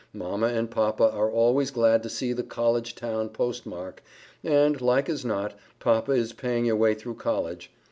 Mama and Papa are always glad to see the College town postmark; and, like as not, Papa is paying your way through College.